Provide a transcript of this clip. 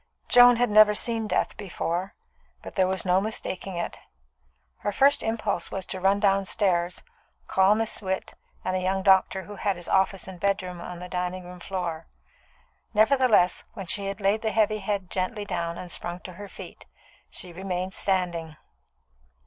Joan had never seen death before, but there was no mistaking it. Her first impulse was to run downstairs, call Miss Witt and a young doctor who had his office and bedroom on the dining room floor. Nevertheless, when she had laid the heavy head gently down and sprung to her feet, she remained standing.